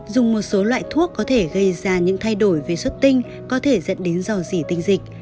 dùng một số loại thuốc có thể gây ra những thay đổi về xuất tinh có thể dẫn đến dò dỉ tinh dịch